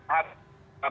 sebagai pelaku usaha